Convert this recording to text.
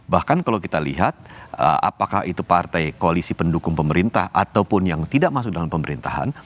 bahkan kalau kita lihat apakah itu partai koalisi pendukung pemerintah ataupun yang tidak masuk dalam pemerintahan